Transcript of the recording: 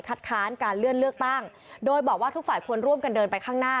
ค้านการเลื่อนเลือกตั้งโดยบอกว่าทุกฝ่ายควรร่วมกันเดินไปข้างหน้า